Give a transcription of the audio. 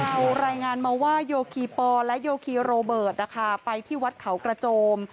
รายงานมาว่าโยคีปอและโยคีโรเบิร์ตนะคะไปที่วัดเขากระโจม